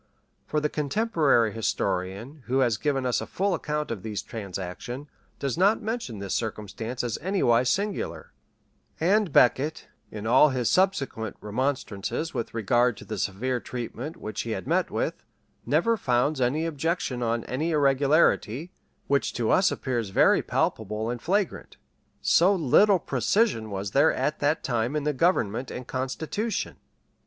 For the contemporary historian, who has given us a full account of these transactions, does not mention this circumstance as anywise singular; and Becket, in all his subsequent remonstrances with regard to the severe treatment which he had met with, never founds any objection on an irregularity, which to us appears very palpable and flagrant. So little precision was there at that time in the government and constitution!